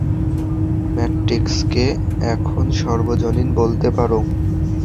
ম্যাট্রিক্সকে এখন সার্বজনীন বলতে পারো!